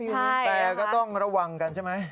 แต่ก็ต้องระวังกันใช่ไหม